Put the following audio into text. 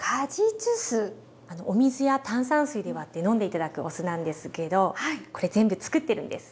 お水や炭酸水で割って飲んで頂くお酢なんですけどこれ全部つくってるんです。